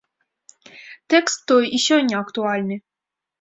Тэкст той і сёння актуальны.